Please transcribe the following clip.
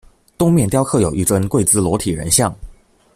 东面雕刻有一尊跪姿裸体人像。